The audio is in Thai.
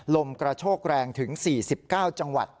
ลมกระโชกแรงถึง๔๙จังหวัด